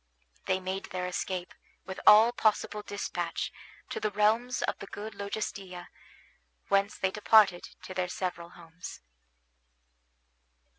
They made their escape, with all possible despatch, to the realms of the good Logestilla, whence they departed to their several homes.